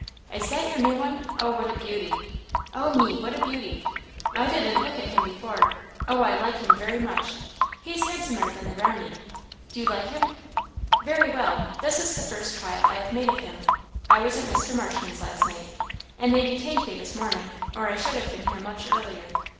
"Is that your new one? Oh, what a beauty! Oh me, what a beauty! I didn't look at him before. Oh, I like him very much! he's handsomer than the Brownie do you like him?" "Very well! this is the first trial I have made of him. I was at Mr. Marshman's last night, and they detained me this morning, or I should have been here much earlier.